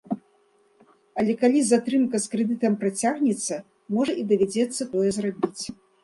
Але калі затрымка з крэдытам працягнецца, можа і давядзецца тое зрабіць.